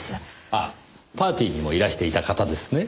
あっパーティーにもいらしていた方ですね？